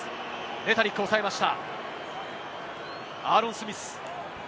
レタリック、抑えました。